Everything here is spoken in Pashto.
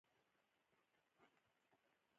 قومونه د افغانستان د ځمکې د جوړښت یوه ښکاره نښه ده.